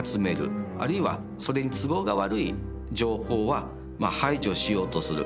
あるいはそれに都合が悪い情報はまあ排除しようとする。